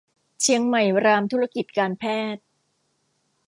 เชียงใหม่รามธุรกิจการแพทย์